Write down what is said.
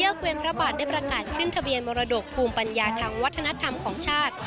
เวียนพระบาทได้ประกาศขึ้นทะเบียนมรดกภูมิปัญญาทางวัฒนธรรมของชาติ